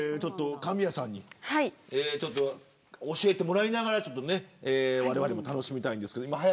神谷さんに教えてもらいながらわれわれも楽しみたいです。